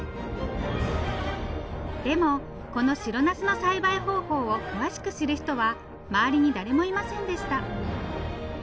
でもこの白なすの栽培方法を詳しく知る人は周りに誰もいませんでした。